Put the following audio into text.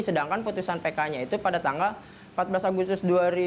sedangkan putusan pk nya itu pada tanggal empat belas agustus dua ribu dua puluh